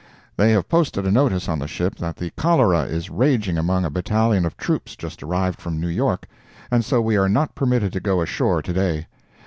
They have posted a notice on the ship that the cholera is raging among a battalion of troops just arrived from New York, and so we are not permitted to go ashore to day.